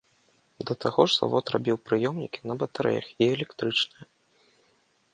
Да таго ж завод рабіў прыёмнікі на батарэях і электрычныя.